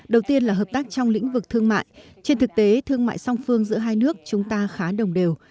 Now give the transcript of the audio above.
đầu tiên là hợp tác trong lĩnh vực thương mại trên thực tế thương mại song phương giữa hai nước chúng ta khá đồng đều